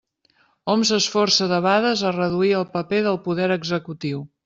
Hom s'esforça debades a reduir el paper del poder executiu.